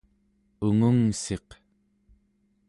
ungungssiq